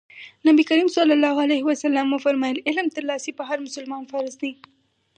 نبي کريم ص وفرمايل علم ترلاسی په هر مسلمان فرض دی.